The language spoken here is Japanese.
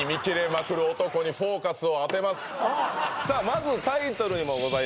まずタイトルにもございます